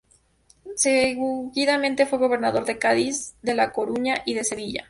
Seguidamente fue gobernador de Cádiz, de La Coruña y de Sevilla.